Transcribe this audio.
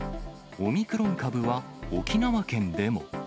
オミクロン株は沖縄県でも。